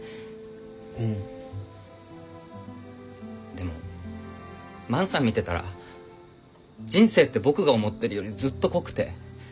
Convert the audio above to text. でも万さん見てたら人生って僕が思ってるよりずっと濃くて。